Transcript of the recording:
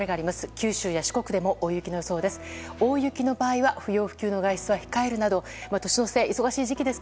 九州や四国でも大雪の予想です。